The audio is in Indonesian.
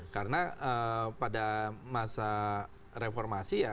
karena pada masa reformasi ya